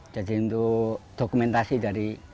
jadi untuk dokumentasi dari